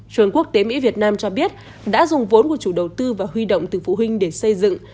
trường quốc tế mỹ việt nam cho biết đã dùng vốn của chủ đầu tư và huy động từ phụ huynh để xây dựng